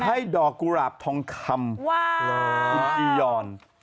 ให้ดอกกุหลาบทองคำคุณจียอน